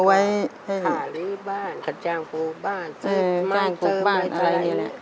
เอาไว้ให้